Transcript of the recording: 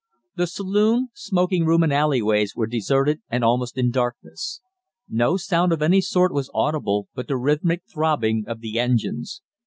The saloon, smoking room and alleyways were deserted and almost in darkness. No sound of any sort was audible but the rhythmic throbbing of the engines.